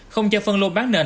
không cho phân lô bán nền